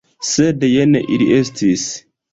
Sed jen ili estis!